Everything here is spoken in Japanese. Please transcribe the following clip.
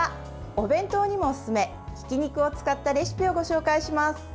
お弁当にもおすすめひき肉を使ったレシピをご紹介します。